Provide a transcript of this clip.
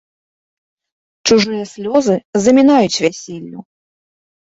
Чужыя слёзы замінаюць вяселлю.